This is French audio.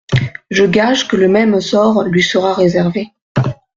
Je gage que le même sort lui sera réservé.